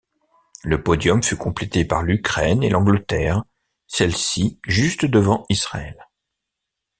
Le podium fut complété par l’Ukraine et l’Angleterre, celle-ci juste devant Israël.